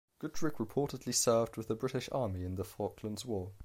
Goodrick reportedly served with the British Army in the Falklands War.